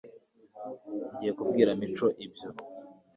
ngiye kubwira mico ibyo